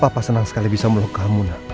apa senang sekali bisa meluk kamu